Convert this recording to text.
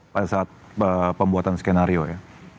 pada saat pembuatan skenario ya